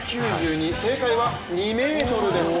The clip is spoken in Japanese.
正解は２ｍです。